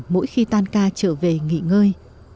mỗi khi tan ca trở về nghỉ ngơi